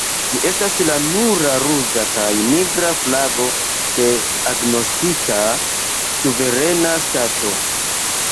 Ĝi estas la nura ruĝa kaj nigra flago de agnoskita suverena ŝtato.